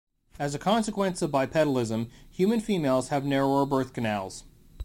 As a consequence of bipedalism, human females have narrower birth canals.